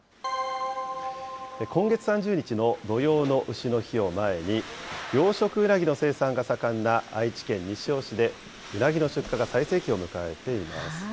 今月３０日の土用のうしの日を前に、養殖うなぎの生産が盛んな愛知県西尾市で、うなぎの出荷が最盛期を迎えています。